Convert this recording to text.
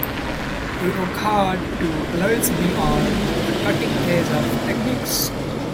We work hard to always be on the cutting edge of techniques.